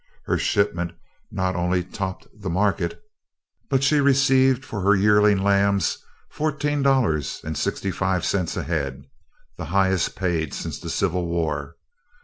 Her shipment not only "topped the market," but she received for her yearling lambs fourteen dollars and sixty five cents a head the highest paid since the Civil War.